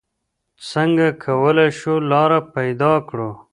څنګه کولې شو لاره پېدا کړو؟